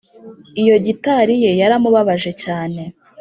iyo gitari ye yaramubabaje cyane